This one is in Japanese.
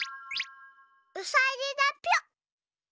うさぎだぴょ。